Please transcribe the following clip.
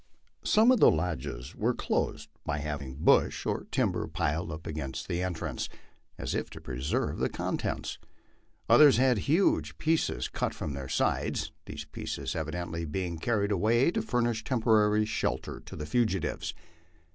Some of the lodges were closed by having brush or 82 MY LIFE ON THE PLAINS. timber piled up against the entrance, as if to preserve the contents. Others had huge pieces cut from their sides, these pieces evidently being carried away to furnish temporary shelter to the fugitives.